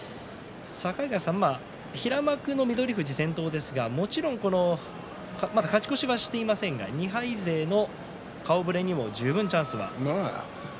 平幕の翠富士、先頭ですがまだ勝ち越しはしていませんが２敗勢の顔ぶれにも十分にチャンスがありますね。